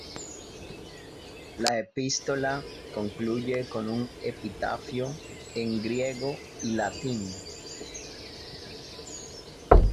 La epístola concluye con un epitafio en griego y latín.